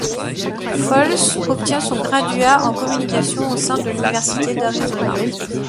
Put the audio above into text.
Foles obtient son graduat en communication au sein de l'Université d'Arizona.